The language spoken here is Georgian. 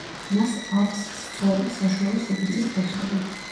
მას ავს სწორი, საშუალო სიგრძის ფეხები.